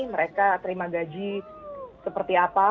mereka terima gaji seperti apa